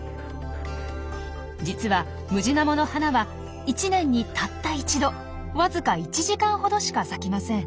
実はムジナモの花は一年にたった一度わずか１時間ほどしか咲きません。